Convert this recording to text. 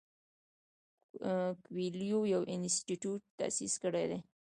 کویلیو یو انسټیټیوټ تاسیس کړی دی.